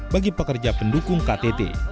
bagi pekerja pendukung ktt